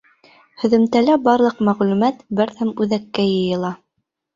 Һөҙөмтәлә барлыҡ мәғлүмәт берҙәм үҙәккә йыйыла.